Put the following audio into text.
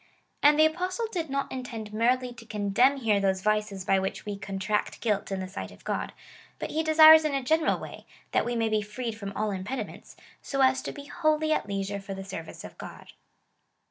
^ And the Apostle did not intend merely to condemn here those vices by which we contract guilt in the sight of God, but he desires in a general way, that we may be freed from all impediments, so as to be wholly at leisure for the service of God.